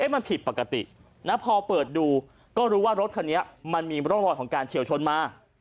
มันผิดปกตินะพอเปิดดูก็รู้ว่ารถคันนี้มันมีร่องรอยของการเฉียวชนมา